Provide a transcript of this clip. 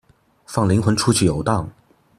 放靈魂出去遊蕩